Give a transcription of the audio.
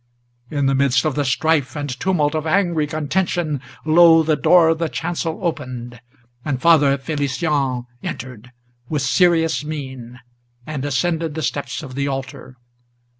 In the midst of the strife and tumult of angry contention, Lo! the door of the chancel opened, and Father Felician Entered, with serious mien, and ascended the steps of the altar.